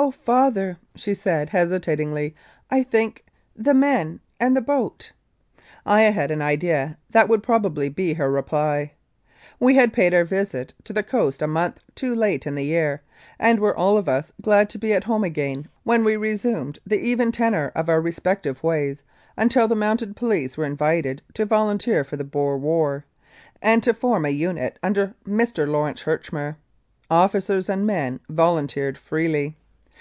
"Oh, Father/' she said, hesitatingly, " I think the men and the boat." I had an idea that that would probably be her reply. We had paid our visit to the coast a month too late in the year, and were all of us glad to be at home again when we resumed the even tenor of our respective ways until the Mounted Police were invited to volunteer for the Boer War, and to form a unit under Mr. Lawrence Herchmer. Officers and men volunteered freely.